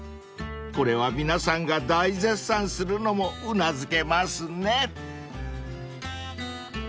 ［これは皆さんが大絶賛するのもうなずけますね］